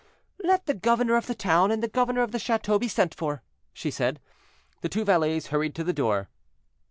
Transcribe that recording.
"Let the governor of the town and the governor of the chateau be sent for," she said. The two valets hurried to the door.